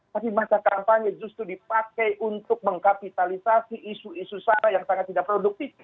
tapi masa kampanye justru dipakai untuk mengkapitalisasi isu isu sara yang sangat tidak produktif